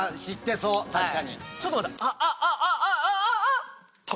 ちょっと待った！